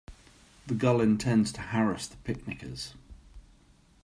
The gull intends to harass the picnickers.